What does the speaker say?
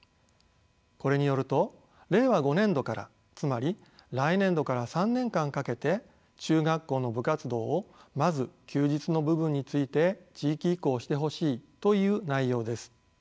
これによると令和５年度からつまり来年度から３年間かけて中学校の部活動をまず休日の部分について地域移行してほしいという内容です。